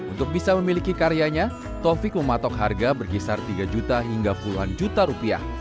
untuk bisa memiliki karyanya taufik mematok harga berkisar tiga juta hingga puluhan juta rupiah